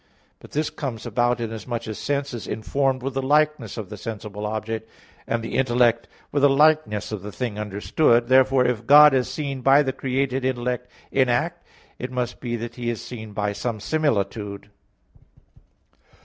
But this comes about inasmuch as sense is informed with the likeness of the sensible object, and the intellect with the likeness of the thing understood. Therefore, if God is seen by the created intellect in act, it must be that He is seen by some similitude.